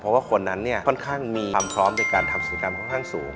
เพราะว่าคนนั้นเนี่ยค่อนข้างมีความพร้อมในการทำกิจกรรมค่อนข้างสูง